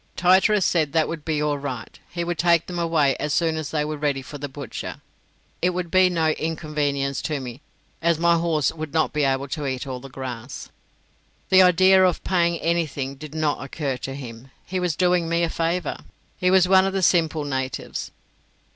Tityrus said that would be all right; he would take them away as soon as they were ready for the butcher. It would be no inconvenience to me, as my horse would not be able to eat all the grass. The idea of paying anything did not occur to him; he was doing me a favour. He was one of the simple natives.